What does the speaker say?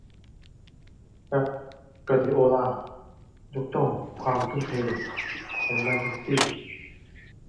เป๊ป กวาร์ดิโอล่า ยกย่องความทุ่มเทแข้งแมนซิตี้